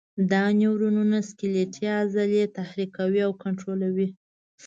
دا نیورونونه سکلیټي عضلې تحریکوي او کنټرولوي.